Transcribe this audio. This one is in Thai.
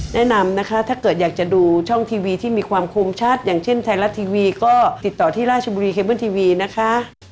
แนะนำนะคะถ้าเกิดอยากจะดูช่องทีวีที่มีความคมชัดอย่างเช่นไทยรัฐทีวีก็ติดต่อที่ราชบุรีเคเบิ้ลทีวีนะคะ